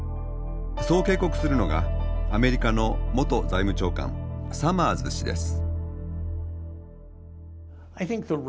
そう警告するのがアメリカの元財務長官サマーズ氏です。